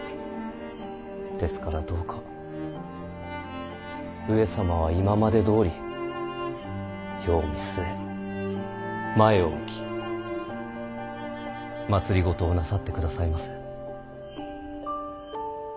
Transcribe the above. ですからどうか上様は今までどおり世を見据え前を向き政をなさって下さいませ。